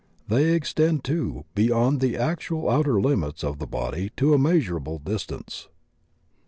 They extend, too, beyond the actual outer limits of the body to a measurable distance.